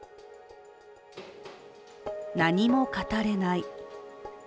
何も語れない。